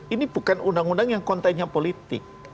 ini bukan undang undang yang kontennya politik